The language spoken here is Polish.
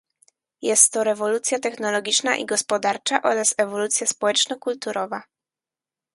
Jest to rewolucja technologiczna i gospodarcza oraz ewolucja społeczno-kulturowa